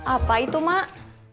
apa itu mak